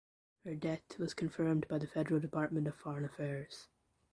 Her death was confirmed by the Federal Department of Foreign Affairs.